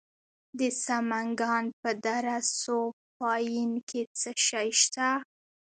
د سمنګان په دره صوف پاین کې څه شی شته؟